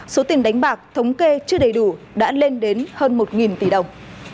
số tiền đánh bạc thống kê chưa đầy đủ đã lên đến hơn một tỷ đồng